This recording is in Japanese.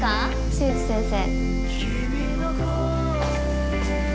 新内先生。